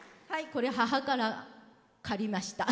これ母から借りました。